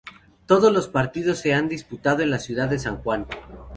Todos los partidos se disputaron en la ciudad de San Juan.